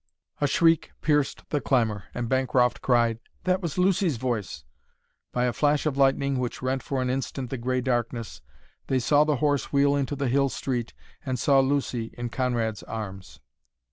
A shriek pierced the clamor, and Bancroft cried, "That was Lucy's voice!" By a flash of lightning which rent for an instant the gray darkness, they saw the horse wheel into the hill street, and saw Lucy in Conrad's arms.